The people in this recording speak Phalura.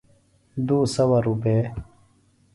دُو سَوہ روپے۔